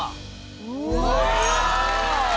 うわ！